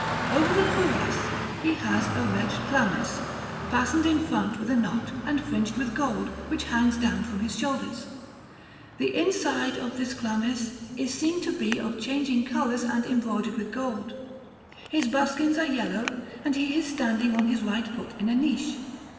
Over the cuirass he has a red chlamys, fastened in front with a knot, and fringed with gold, which hangs down from his shoulders. The inside of this chlamys is seen to be of changing colours and embroidered with gold. His buskins are yellow, and he is standing on his right foot in a niche.